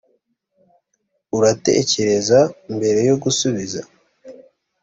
uratekereza mbere yo gusubiza